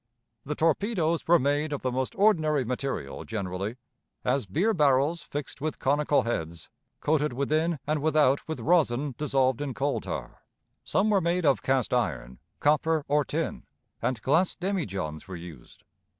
The torpedoes were made of the most ordinary material generally, as, beer barrels fixed with conical heads, coated within and without with rosin dissolved in coal tar; some were made of cast iron, copper, or tin; and glass demijohns were used.